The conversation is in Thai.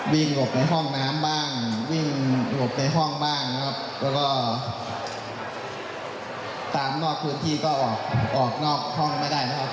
หลบในห้องน้ำบ้างวิ่งหลบในห้องบ้างนะครับแล้วก็ตามนอกพื้นที่ก็ออกออกนอกห้องไม่ได้นะครับ